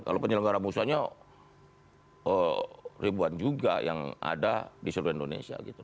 kalau penyelenggara musanya ribuan juga yang ada di seluruh indonesia gitu